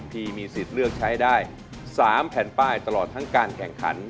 ที่มีสิทธิ์เลือกใช้ได้๓แผ่นป้ายตลอดทั้งการแข่งขัน